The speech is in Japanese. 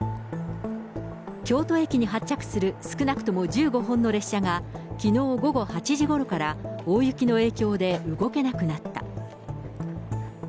京都駅に発着する少なくとも１５本の列車が、きのう午後８時ごろから大雪の影響で動けなくなった。